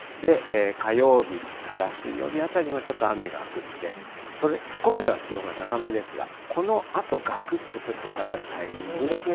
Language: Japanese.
火曜日から水曜日あたりもちょっと雨が降って、そこまでは気温が高めですが、このあと、がくっと、ちょっと下がるタイミングが。